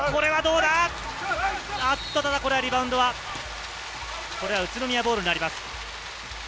これはリバウンドは宇都宮ボールになります。